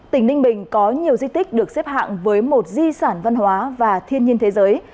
tỉnh ninh bình có nhiều di tích được xếp hạng với một di sản văn hóa và thiên nhiên thế giới